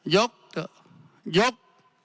ยกเถอะยก